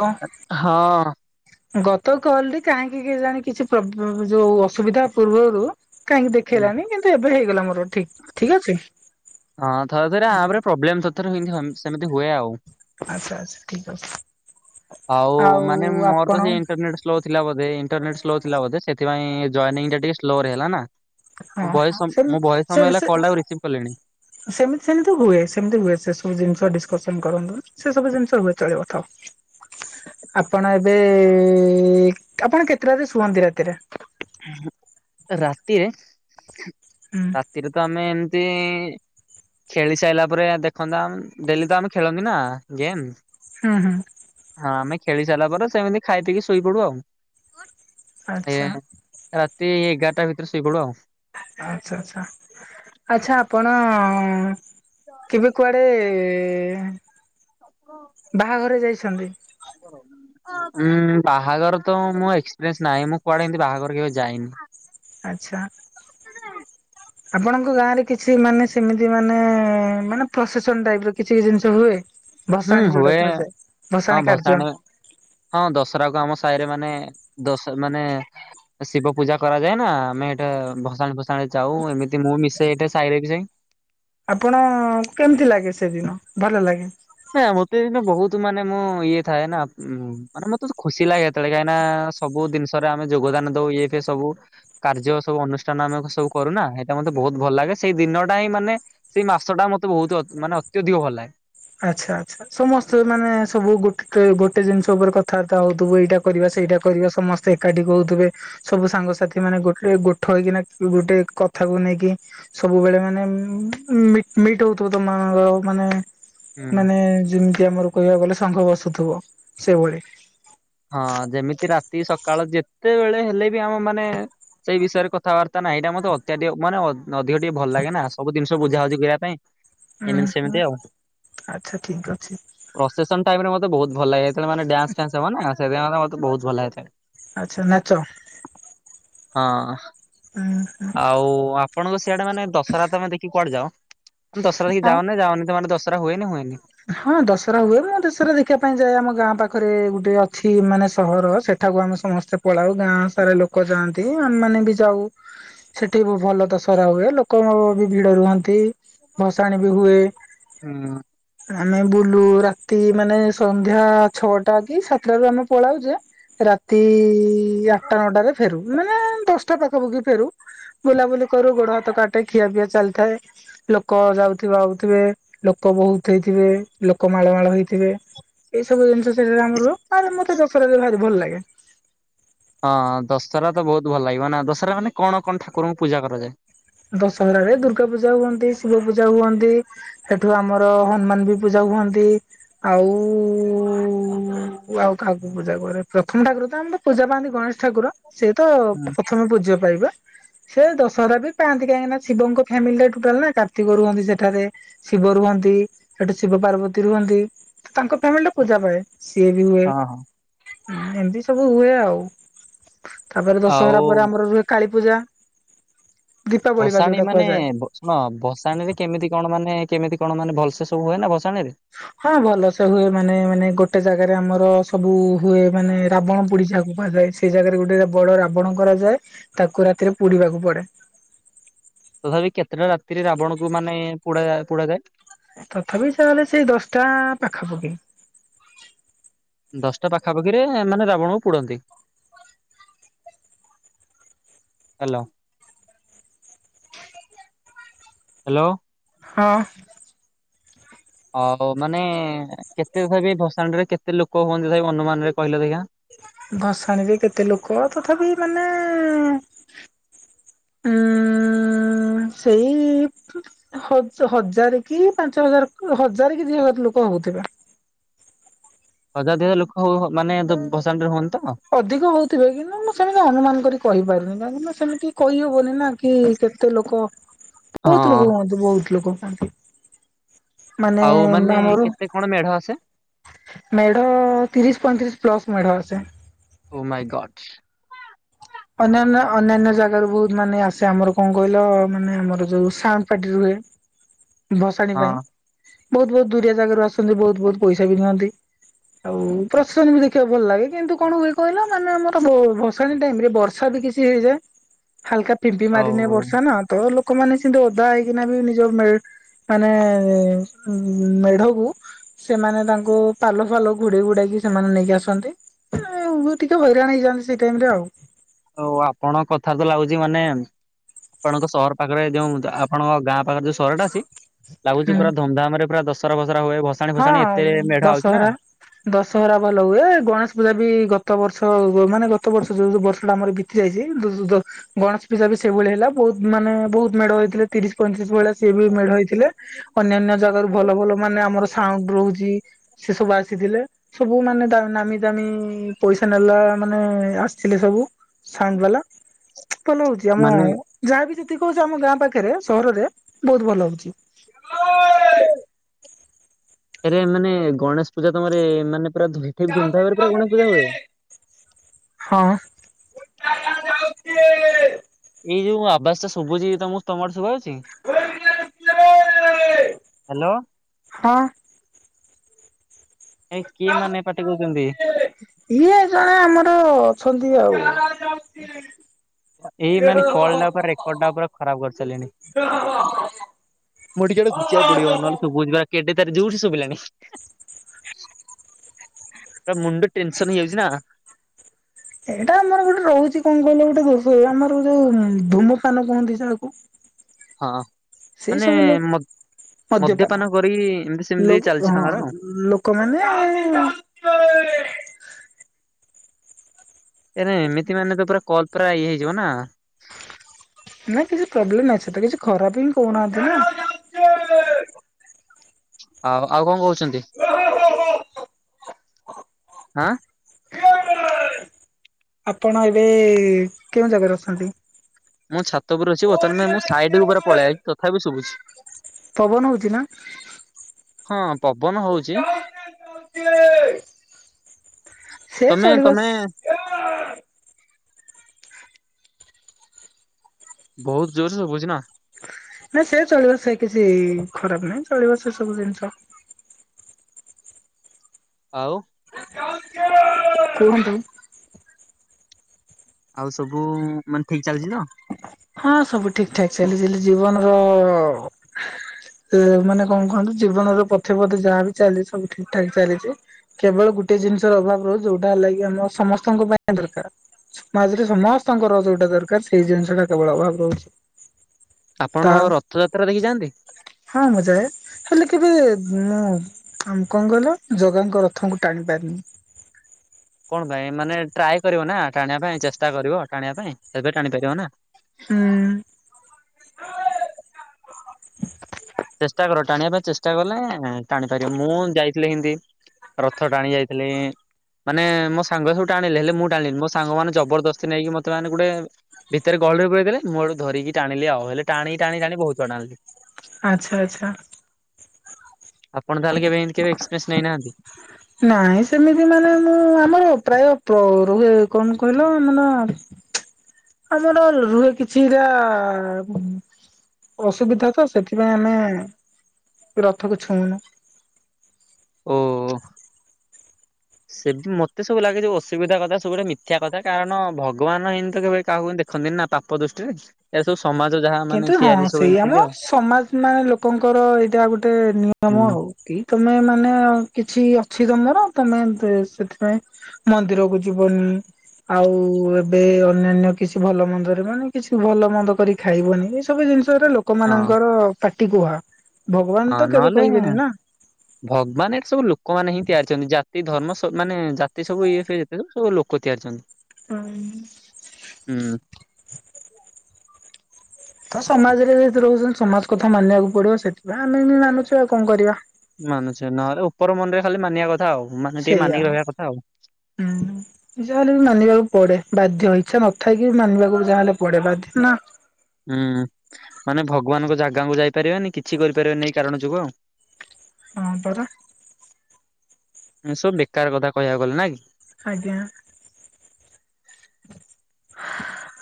ହଁ ହଁ ଅ ଗତ କଲ ରେ କହି କାହିଁକି ଜାଣି କିଛି ପୁର୍ବ ବ ଯୋଉ ଅସୁବିଧା ପୂର୍ବରୁ କାହିଁକି ହୁଁ। ଦେଖେଇଲାନି କିନ୍ତୁ ଏବେ ହେଇଗଲା ମୋର ଠିକ୍ ଠିକ୍ ଅଛି ହଁ ଥରେ ଥରେ ଆପ ପ୍ରୋବ୍ଲେମ୍ [unintelligible] ସେମିତି ହୁଏ ଆଉ ଆଚ୍ଛା ଆଚ୍ଛା ଠିକ୍ ଅଛି। ଆଉ ମାନେ ମୋର ଆପଣ ତ ସେଇ ହଁ ଇଣ୍ଟରନେଟ ସ୍ଲୋ ଥିଲା ବଧେ ଇଣ୍ଟରନେଟ ସ୍ଲୋ ଥିଲା ବୋଧେ ସେଥିପାଇଁ ଜଏନିଂ ଟା ଟିକେ ସ୍ଲୋ ରେ ହେଲା ନା ହଁ ମୁଁ ବହେ ଅ ସମ ମୁଁ କରନ୍ତୁ ବହେ ସମୟ ହେଲା ସେ କଲ୍ ଟାକୁ ରିସିଭ୍ କଲିଣି ସବୁ ଜିନିଷ ହୁଏ ଚଳିବଥାଉ ଆପଣ ଏବେ ଏ ଆପଣ କେତେଟାରେ ଶୁହନ୍ତି ରାତିରେ। ରାତିରେ ହୁଁ ରାତିରେ ତ ଆମେ ଖେଳି ସାରିଲା ପରେ ଦେଖନ୍ତା ହୁଁ ହଁ ହଁ ଆମେ ଖେଳି ସାରିଲା ପରେ ସେମିତି ଖାଇ ପିକି ଶୋଇପଡ଼ୁ ଆଉ। ଏ ଆଚ୍ଛା ରାତି ଏଗାରଟା ଭିତରେ ଶୋଇ ପଡୁ଼ ଆଉ ଆଚ୍ଛା ଆଚ୍ଛା ଆଚ୍ଛା ଆପଣ କେବେ କୁଆଡ଼େ [unintelligible] ବାହାଘରେ ଯାଇ ଅଛନ୍ତି। ଉଁ ବାହାଘର ତ ମୁଁ ଏକ୍ସପିରିଏନ୍ସ ନାହିଁ ମୁଁ କୁଆଡେ ଏମତି ବାହାଘର କେବେ ଯାଇନି। ଆଚ୍ଛା। ଆପଣଙ୍କ ଗାଁ ରେ କିଛି ମାନେ ସେମିତି ମାନେ ମାନେ ପ୍ରସେସନ ଟାଇପ୍ ର କିଛି ଜିନିଷ ହୁଏ। ହୁଁ ଭସାଣି ଯୋଉଟା ହୁଏ କୁହାଯାଏ। ହଁ ଭସାଣି କାର୍ଯ୍ୟ ଭସାଣୀ ହଁ ଦଶହରା କୁ ଆମ ସାହି ସାହିରେ ମାନେ ଦଶ ମାନେ ଶିବ ପୂଜା କରାଯାଏ ନା ଆମେ ଏଟା ଭସାଣୀ ଫସାଣ ଯାଉ ଏମିତି ମୁଁ ମିଶେ ଏଟା ସାହିରେ ବି ଯାଇ। ଆପଣ କେମିତି ଲାଗେ ସେଦିନ ଭଲ ଲାଗେ। ନା ମତେ ଏଇନା ବହୁତ ମାନେ ମୁଁ ଇଏ ଥାଏ, ନା ମାନେ ମତେ ଖୁସି ଲାଗେ ସେତେବେଳେ କାହିଁକି ନା ସବୁ ଜିନିଷରେ ଆମେ ଯୋଗଦାନ ଦଉ। ଇଏ ଫିଏ ସବୁ କାର୍ଯ୍ୟ ସବୁ ଅନୁଷ୍ଠାନ ଆମେ ସବୁ କରୁନା, ସେଇଟା ମତେ ବହୁତ ଭଲ ଲାଗେ। ସେଇ ଦିନ ଟା ହିଁ ମାନେ ସେଇ ମାସ ଟା ମତେ ବହୁତ ମାନେ ଅତ୍ୟଧିକ ଭଲ ଲାଗେ। ଆଚ୍ଛା ଆଛା ସମସ୍ତେ ମାନେ ସବୁ ଗୋଟେ ଗୋଟେ ଜିନିଷ ଉପରେ କଥାବାର୍ତ୍ତା ହଉଥିବୁ ଏଇଟା କରିବା ସେଇଟା କରିବା ସମସ୍ତେ ଏକାଠି କହୁଥିବେ। ସବୁ ସାଙ୍ଗସାଥି ମାନେ ଗୋଟେ ଗୋଠ ହେଇକିନା ଗୋଟେ କଥାକୁ ନେଇକି ସବୁବେଳେ ମାନେ ମିଟ ହଉଥିବ ତମ ମାନଙ୍କର ମାନେ ହୁଁ। ମାନେ ଯେମିତି ଆମର କହିବାକୁ ଗଲେ ସଂଘ ବସୁଥିବ ସେଇଭଳି। ହଁ ଯେମିତି ରାତି ସକାଳ ଯେତେବେଳେ ହେଲେ ବି ଆମ ମାନେ ସେଇ ବିଷୟରେ କଥାବାର୍ତ୍ତା ନା ସେଇଟା ମତେ ଅତ୍ୟାଧିକ ମାନେ ନଧୀଘ ଟିକେ ଭଲ ଲାଗେ ନା ସବୁ ଜିନିଷକୁ ବୁଝାବୁଝି କରିବା ପାଇଁ ଉଁ ଏମିତି ହୁଁ ସେମିତି ଆଉ। ଆଚ୍ଛା ଠିକ ଅଛି ପ୍ରସେସନ ଟାଇମ ରେ ତ ବହୁତ ଭଲ ଲାଗେ। ମାନେ ଡାନ୍ସ ଫାନ୍ସ ହବ ନା। ସେଥିପାଇଁ ମତେ ବହୁତ ଭଲ ଲାଗେ ଆଛା ନାଚ ହଁ। ଆଉ ଆପଣଙ୍କ ସିଆଡେ ମାନେ ଦଶହରା ତମେ ଦେଖି କୁଆଡେ ଯାଅ? ଦଶହରା ଦେଖି ଆଉ ଯାଅ ନା ଯାଅ ନି? ତମ ଆଡେ ଦଶ ହୁଏ ନା ହୁଏନି? ହଁ ଦଶହରା ହୁଏେ ଦଶରା ଦେଖିବା ପାଇଁ ଯାଏ ଆମ ଗାଁ ପାଖରେ ଗୋଟେ ଅଛି ମାନେ ସହର ସେଠାକୁ ଆମେ ସମସ୍ତେ ପଳାଉ ଗାଁ ସାରା ଲୋକ ଯାଆନ୍ତି ଆମେ ମାନେ ବି ଯାଉ। ସେଠି ବି ଭଲ ଦଶହରା ହୁଏ। ଲୋକ ବି ଭିଡ଼ ରୁହନ୍ତି ଭସାଣି ବି ହୁଏ। ହୁଁ ଆମେ ବୁଲୁ ରାତି ମାନେ ସନ୍ଧ୍ୟା ଛଅଟା କି ସାତଟା ଟାରୁ ଆମେ ପଳାଉଯେ ରାତି ଆଠଟା ନଅଟାରେ ଫେରୁ ମାନେ ଦଶଟା ପାଖାପଖି ଫେରୁ, ବୁଲାବୁଲି କରୁ, ଗୋଡ ହାତ କାଟେ, ଖିଆପିଆ ଚାଲିଥାଏ, ଲୋକ ଯାଉଥିବ ଆଉଥିବେ ଲୋକ ବହୁତ। ହେଇଥିବେ, ଲୋକ ମାଳ ମାଳ ହେଇଥିବେ, ଏସବୁ ଜିନିଷ ସେଟା ଆମର ଆଉ ମତେ ଦଶହରା ରେ ଭାରି ଭଲ ଲାଗେ। ହଁ ଦଶହରା ତ ବହୁତ ଭଲ ଲାଗିବ ନା ଦଶହରା ମାନେ କଣ କଣ ଠାକୁରଙ୍କୁ ପୂଜା କରାଯାଏ? ଦଶହର ରେ ଦୁର୍ଗା ପୂଜା ହୁଅନ୍ତି, ଶିବ ପୂଜା ହୁଅନ୍ତି, ସେଠୁ ଆମର ହନୁମାନ ବି ପୂଜା ହୁଅନ୍ତି, ଆଉଉ କାହାକୁ ପୂଜା କରେ ପ୍ରଥମ ଠାକୁର ତ ଆମର ପୂଜା ପାଆନ୍ତି ଗଣେଶ ଠାକୁର। ସେ ତ ହୁଁ ପ୍ରଥମ ପୂଜା ପାଇବେ, ସେ ଦଶ [unintelligible] ପାଆନ୍ତି କାହିଁକିନା ଶିବଙ୍କ ଫ୍ୟାମିଲିଟା ଟୋଟାଲ ନା କାର୍ତ୍ତିକ ରୁହନ୍ତି, ସେଠାରେ ଶିବ ରୁହନ୍ତି, ସେଠୁ ଶିବ ପାର୍ବତୀ ରୁହନ୍ତି, ତ ତାଙ୍କ ଫ୍ୟାମିଲି ଟା ପୂଜା ପାଏ। ସିଏ ବି ହୁଏ। ହଁ ହଁ ଏମିତି ସବୁ ହୁଏ ଆଉ। ତାପରେ ଦଶହରା ଆଉ ପରେ ଆମର ରୁହେ କାଳି ପୁଜା ବସାଣିୀ ମାନେ ହ ଶୁଣ ବସାଣିୀରେ କେମିତି କଣ ମାନେ କେମିତି କଣ ମାନ ଭଲସ ସବୁ ହୁଏ ଭ ହଁ ଭଲ ତ ହୁଏ ମାନେ ମାନେ ଗୋଟେ ଜାଗା ଜାଗାରେ ଆମର ସବୁ ହୁଏ ମାନେ ରାବଣ ପୋଡି ଯାକୁ କୁହାଯାଏ ସେଇ ଜାଗାରେ ଗୋଟେ ବଡ ରାବଣ କରାଯାଏ ତାକୁ ରାତିରେ ପୋଡିବାକୁ ପଡେ- ତଥାପି କେତେଟା ରାତିରେ ରାବଣକୁ ମାନେ ପୋଡାଏ ପୋଡାଯାଏ । ତଥାପି ସାରେ ସେଇ ଦଶଟା ପାଖାପାଖି ଦଶଟା ପାଖାପାଖିରେ ମାନେ ରାବଣକୁ ପୁଡନ୍ତି ହ୍ୟାଲୋ। ହ୍ୟାଲୋ। ହଁ। ଆଉ ମାନେ କେତେ ତଥାପି ଭସାଣରେ କେତେ ଲୋକ ହୁଅନ୍ତି ତଥା ଅନୁମାନରେ କହିଲେ ଆଜ୍ଞା। ଭସାଣିରେ କେତେ ଲୋକ ତଥାପି ମାନେ ଉ ସେଇ ହଜାର କି ପାଞ୍ଚ ହଜାର ହଜାର କି ଦି ହଜାର ଲୋକ ହଉଥିବେ। ହଜାର ଦଇ ହଜାର ଲୋକ ହଉ ମାନେ ଭସାଣି ରେ ହୁଅନ୍ତି। ତ? ଅଧିକ ହଉଥିବେ କିନ୍ତୁ ମୁ ସେମିତି ଅନୁମାନ କରି କହିପାରିବି ଏ ମାନ କୁ ନା ସେମିତି କହିହବନି ନା କି କେତେ ଲୋକ ବହୁତ ଲୋକ ହଁ। ହୁଅନ୍ତିୁ ବହୁତ ଲୋକ ଆ ଆଉ ମାନେ କେତେ କଣ ମେଢ ଆସେ ମେଢ ତିରିଶ ପଇଁତିରିଶ ପ୍ଲସ ମେଢ ଆସେ ଓ ମାଇ ଗଡ୍ ଅନନ୍ୟା ଅନ୍ୟାନ୍ୟ ଜାଗାରୁ ବହୁତ ମାନେ ଆସେ ଆମର କଣ କହିଲ ମାନେ ଆମର ଯୋଉ ସା ପାଟି ରୁହେ। ଭସାଣି ହଁ ପାଇଁ ବହୁତ ବହୁତ ଦୁରିଆ ଜାଗ ରାରୁ ଆସନ୍ତି ବହୁତ ବହୁତ ପଇସା ବି ନିଅନ୍ତି ଆଉ ପ୍ରସେଶନ ବି ଦେଖିବାକୁ ଭଲ ଲାଗେ କିନ୍ତୁ କଣ ହୁଏ କହିଲ ମାନେ ଆମର ଭସାଣି ଟାଇମରେ ଛଡ ବିିକିଛିି ହେଇଯା ହାଲ୍କା ପିମ୍ପି ମାରିନି ହଉ। ବର୍ଷା ନା ତ ଲୋକମାନେ ସେମିତି ଓଦା ହେଇକିନା ବି ନିଜ ମାନେ ମେଢକୁ ସେମାନେ ତାଙ୍କୁ ପାଲ ଫାଲ ଘୋଡେଇ ଘୁଡେଇକି ସେମାନେ ନେଇକି ଆସନ୍ତି ଟିକେ ହଇରାଣ ହେଇଯାନ୍ତି ସେଇ ଟାଇମ ରେ ଆଉ। ଆଉ ଆପଣଙ୍କ କଥା ତ ଲାଗୁଛି ମାନେ ଆପଣଙ୍କ ସହର ପାଖରେ ଯୋଉ ଆପଣଙ୍କ ଗାଁ ପାଖରେ ଯୋଉ ସହରଟା ଅଛି। ଲାଗୁଛି ହୁଁ। ପୁରା ଧୁମଧାମ ରେ ପୁରା ଦଶ ହଁ ନା। ଦଶହରା ଦଶହରା ଭଲ ହୁଏ ଗଣେଶ ପୂଜା ବି ଗତ ବର୍ଷ ମାନେ ଗତ ବର୍ଷ ଯୋଉ ଯୋଉ ବର୍ଷ ଟା ଆମର ବିତି ଯାଇଛି ଗଣେଶ ପୂଜା ବି ସେଇଭଳି ହେଲା ବହୁତ ମାନେ ବହୁତ ମେଢ଼ ହେଇଥିଲେ ତିରିଶ ପଇତିରିଶ ଭଳିଆ ସେ ମେଢ଼ ହୋଇଥିଲେ ଅନ୍ୟାନ୍ୟ ଜାଗାରୁ ଭଲ ଭଲ ମାନେ ଆମର ଆଉ ରହୁଛି ସେ ସବୁ ଆସିଥିଲେ। ସବୁ ମାନେ ଦା ମି ଜାମି ପଇସା ନେଲା ମାନେ ଆସିଥିଲେ ସବୁ ସାଉଣ୍ଡ ବାଲା ଭଲ ହଉଛି ଆମ ମାନେ ଯାହାଵି କହୁଛି ଆମ ଗାଁ ପାଖରେ ସହରରେ ବହୁତ ଭଲ ହଉଛି। ଏରେ ମାନେ ଗଣେଶ ପୂଜା ତମର ମାନେ ପୁରା ଧୁମଧାମଭାବେରେ ପୁରା ଗୁଣେଶ ପୂଜା ହୁଏ? ହଁ [inaudible] ଏଇ ଯୋଉ ଆବାସ ଟା ଶୁଭୁଛି ତମକୁ ତମଆଡେ ଶୁଭୁଛି। ହ୍ୟାଲୋ। ହଁ। ଏ କିଏ ମାନେ ପାଟି କରୁଛନ୍ତି। ଇଏ ଜଣେ ଆମର ଅଛନ୍ତି ଆଉ ଏଇ ମାନେ କଲଟା ପୁରା ରେକଡ ଖରାପ କରିସାରିଲେଣି ଟିକେ ଘୁନଚିବାକୁ ପଡିବ ନହଲେ ଜୁର ସେ ଶୁଭିଲାଣି ମୁଣ୍ଡ ଟେନସନ ହେଇଯାଉଛି ନା। ଏଇଟା ଆମର ଗୋଟେ ରହୁଛି କଙ୍ଗଲ ଗୋଟେ ଦୋଷ ଆମର ଯୋଉ ଧୂମପାନ କୁହନ୍ତି ଯହାକୁ ହଁ। ସେଇ ମାନେ ସବୁ ଲ ମ ମଦ୍ୟପାନ କରି ଏମିତି ସେମିତି ଲ ଚାଲିଛି ହଁ ତାଙ୍କର। ଲୋକମାନେ ଏରେ ଏମିତି ମାନେ ତ ପୁରା କଲ୍ ପୁରା ଇଏ ହେଇଯିବ ନା। ନା କିଛି ପ୍ରୋବ୍ଲେମ ଅଛି ତ କିଛି ଖରାପ ହିଁ କହୁନାହାନ୍ତି ନା। ଆଉ ଆଉ କଣ କହୁଛୁ ଛନ୍ତି। ଆପଣ ଏବେ କେଉଁ ଜାଗାରେ ଅଛନ୍ତି? ମୁଁ ଛାତ ଚାତଉପ। ପଉପରେ ଅଛି ବର୍ତ୍ତମାନ ମୁଁ ସାଇଡକୁ ପଳେଇ ଯାଇଛି ତଥାପି ଶୁଭୁଛି। ପବନ ହଉଛି ନା? ହଁ ପବନ ହଉଛି ସେ ତମେ ଚଳିବ ତମେ ବହୁତ ଜୋର ସୁବୁଛି ନା। ନାଇଁ ସେ ଚଳିବ ସେ କିଛି ଖରାପ ନାହିଁ ଚଳିବ ସେ ସବୁ ଜିନିଷ। ଆଉ କୁହନ୍ତୁ? ଆଉ ସବୁ ମାନେ ଠିକ ଚାଲିଛି ତ? ହଁ ସବୁ ଠିକ ଠାକ ଚାଲିଛି ଜୀବନର ମାନେ କଣ କୁହନ୍ତୁ ଜୀବନର ପଥେ ପଥେ ଯାହା ବି ଚାଲିଛି ସବୁ ଠିକ ଠାକ ଚାଲିଛି କେବଳ ଗୋଟେ ଜିନିଷର ଅଭାବ ରହୁଛି ଯୋଉଟା ହେଲା କିି ଆମ ସମସ୍ତଙ୍କ ପାଇଁ ଦରକାର ସମାଜରେ ସମସ୍ତଙ୍କର ଯୋଉଟା ଦରକାର ସେଇ ଜିନିଷ ଟା କେବଳ ଅଭାବ ରହୁଛି। ଆପଣ ତା ରଥଯାତ୍ରା ଦେଖି ଯଆନ୍ତି? ହଁ ମଜା ହେଲେ କେବେ ମୁଁ ଆମ କଣ କହିଲ ଜଗାଙ୍କ ରଥଙ୍କୁ ଟାଣି ପାରିନି। କଣ ପାଇଁ ମାନେ ଟ୍ରାଏ କରିବ ନା ଟାଣିବା ପାଇଁ ଚେଷ୍ଟା କରିବ ଟାଣିବା ପାଇଁ ସେବେ ଟାଣିପାରିବ ନା। ହୁଁ। ଚେଷ୍ଟା କର ଟାଣିବା ପାଇଁ ଚେଷ୍ଟା କଲେ ଟାଣିପାରିବ ମୁଁ ଯାଇଥିଲି ଏମିତି ରଥ ଟାଣି ଯାଇଥିଲି ମାନେ ମୋ ସାଙ୍ଗ ସବୁ ଟାଣିଲେ ହେଲେ ମୁଁ ଟାଣିଲି ମୋ ସାଙ୍ଗ ମାନେ ଜବରଦସ୍ତି ନେଇକି ମୋତେ ମାନେ ଗୋଟେ ଭିତରେ ଗହଳିରେ ପଳେଇ ଦେଲେ ମୁଁ ଧରିକି ଟାଣିଲି ଆଉ ହେଲେ ଟାଣି ଟାଣି ଟାଣି ବହୁତ ଥର ଟାଣିଲି। ଆଚ୍ଛା ଆଚ୍ଛା। ଆପଣ ତାହେଲେ କେବେ ଏମିତି କେବେ ଏକ୍ପରିନ୍ସ ନେଇନାହାନ୍ତି? ନାଇଁ ସେମିତି ମାନେ ମୁଁ ଆମର ପ୍ରାୟ ରୁହେ କଣ କହିଲ ମାନେ ଆମର ରୁହେ କିଛିଟା ଅସୁବିଧା ତ ସେଥିପାଇଁ ଆମେ ରଥକୁ ଛୁଉଁନୁ। ଓହୋ। ସେମତି ମତେ ସବୁ ଲାଗେ ଯେ ଯୋଉ ଅସୁବିଧା କଥା ସବୁଡେ ମିଥ୍ୟା କଥା କାରଣ ଭଗବାନ ଏମତି ତ କେବେ କାହାକୁ ଦେଖନ୍ତିନି ନା ପାପ ଦୃଷ୍ଟିରେ ଏ ସବୁ ସମାଜ ଯାହା ମାନେ କିନ୍ତୁ ହଁ ତିଆରି ସବୁ ସେଇ ଏମିତି ଆମ ଆଉ। ସମାଜ ମାନେ ଲୋକଙ୍କର ଏଇଟା ଆଉ ଗୋଟେ ନିୟମ ହୁଁ। ଆଉ କି ତମେ ମାନେ କିଛି ଅଛି ତମର ତମେ ସେଥିପାଇଁ ମନ୍ଦିରକୁ ଯିବନି ଆଉ ଏବେ ଅନ୍ୟାନ୍ୟ କିଛି ଭଲ ମନ୍ଦରେ ମାନେ କିଛି ଭଲ ମନ୍ଦ କରି ଖାଇବନି ଏ ସବୁ ଜିନିଷ ହଁ ଲୋକମାନଙ୍କର ପା ଟି କୁହା। ଭଗବାନ ହଁ ତ କେବେ ନହେଲେ କହିବେନି ନା ଭଗବାନ ଏଠି ସବୁ ଲୋକମାନେ ହିଁ ତିଆରିଛନ୍ତି ଜା ତି ଧର୍ମ ସେମାନେ ଜାତି ସବୁ ଇଏ ଫିଏ ଯେତେ ସବୁ ସବୁ ଲୋକ ତିଆରିଛନ୍ତି। ହଁ। ହୁଁ ତ ସମାଜରେ ଯେହେତୁ ରହୁଛନ୍ତି ସମାଜ କଥା ମାନିବାକୁ ପଡିବ ସେଥିପାଇଁ ଆମେ ବି ମାନୁଛୁ ଆଉ କଣ କରିବା। ମାନୁଛେ ନହେଲେ ଉପର ମନରେ ଖାଲି ମାନିଆ କଥା। ଆଉ ମାନେ ଟିକେ ସେଇଆା ମାନିକି ରହିବା କଥା ଆଉ। ହୁଁ ଯାହେଲେ ବି ମାନିବାକୁ ପଡେ। ବାଧ୍ୟ ଇଚ୍ଛା ନଥାଇକି ମାନିବାକୁ ଯାହାହେଲେ ପଡେ ବାଧ୍ୟ ନା। ହୁଁ ମାନେ ଭଗବାନଙ୍କ ଜାଗାଙ୍କୁ ଯାଇପାରିବାନି କିଛି କରିପାରିବାନି ଏଇ କାରଣ ଯୋଗୁ। ହଁ ପରା। ଏସବୁ ବେକାର କଥା କହିବାକୁ ଗଲେ ନା କି? ଆଜ୍ଞା।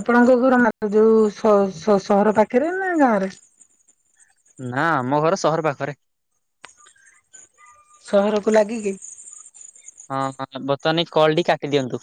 ଆପଣଙ୍କ ଘର ମାର୍କେ ଯୋଉ ସ ସ ସହର ପାଖରେ ନା ଗାଁରେ। ନା ଆମ ଘର ସହର ପାଖରେ। ସହରକୁ ଲାଗିକି? ହଁ ବର୍ତ୍ତମାନ ଏଇ କଲଡି କାଟି ଦିଅନ୍ତୁ।